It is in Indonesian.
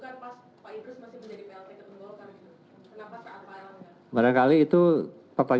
bukan pas pak idrus menjadi plt itu pak kenapa penabutannya sekarang